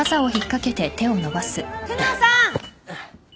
・久能さん！